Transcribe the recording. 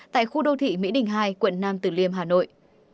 tại khu đô thị mỹ đình hai quận nam tử liêm hà nội